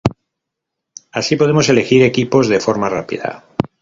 Así, podemos elegir equipos de forma rápida.